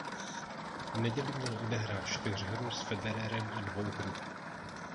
V neděli měl odehrát čtyřhru s Federerem a dvouhru.